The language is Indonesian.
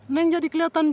neng jadi kelihatan cantik